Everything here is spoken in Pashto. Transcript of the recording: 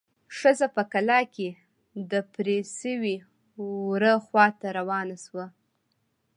ښځه په کلا کې د پرې شوي وره خواته روانه شوه.